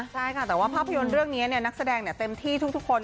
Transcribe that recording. ใช่ค่ะแต่ว่าภาพยนตร์เรื่องนี้นักแสดงเต็มที่ทุกคน